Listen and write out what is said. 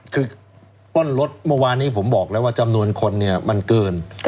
คือปล้นรถเมื่อวานนี้ผมบอกแล้วว่าจำนวนคนเนี่ยมันเกิน